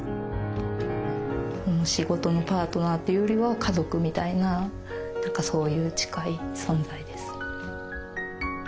もう仕事のパートナーというよりは家族みたいな何かそういう近い存在です。